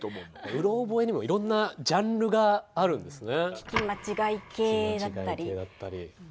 うろ覚えにもいろんなジャンルがあるんですね。